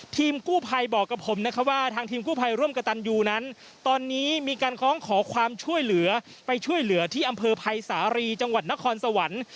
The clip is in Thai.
ทีมกู้ภัยบอกกับผมนะคะว่าทางทีมกู้ภัยร่วมกับตันยูนั้นตอนนี้มีการคล้องขอความช่วยเหลือไปช่วยเหลือที่อำเภอภัยสารีจังหวัดนครสวรรค์